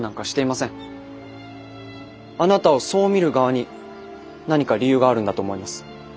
あなたをそう見る側に何か理由があるんだと思います。